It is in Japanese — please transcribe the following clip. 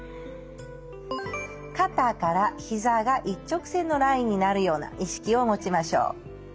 肩からひざが一直線のラインになるような意識を持ちましょう。